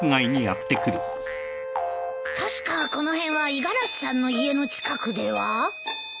確かこの辺は五十嵐さんの家の近くでは？